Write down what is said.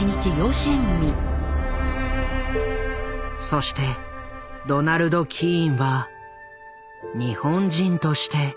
そしてドナルド・キーンは日本人として旅立っていった。